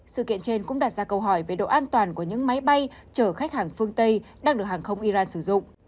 sự kiện trên cũng đặt ra câu hỏi về độ an toàn của những máy bay chở khách hàng phương tây đang được hàng không iran sử dụng